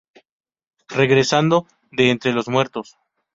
Regresado de entre los muertos.